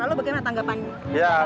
lalu bagaimana tanggapan